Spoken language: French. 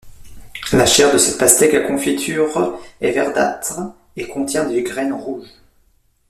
La chair de cette pastèque à confiture est verdâtre et contient des graines rouges.